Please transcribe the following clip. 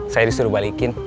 saya disuruh balikin